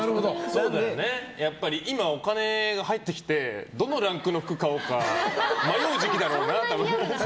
やっぱり今お金が入ってきてどのランクの服を買おうか迷う時期だろうなと。